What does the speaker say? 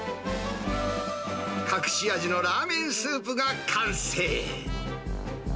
隠し味のラーメンスープが完成。